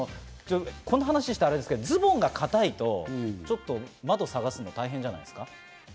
こんな話したらあれですけど、ズボンが硬いと、ちょっと窓探すの大変じゃないですか？